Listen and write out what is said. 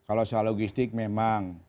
kalau soal logistik memang